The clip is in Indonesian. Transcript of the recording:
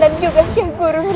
dan juga syekh guru